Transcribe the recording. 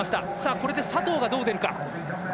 これで佐藤がどう出るか。